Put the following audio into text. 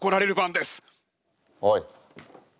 おい。